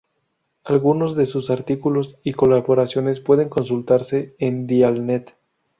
Algunos de sus artículos y colaboraciones pueden consultarse en Dialnet.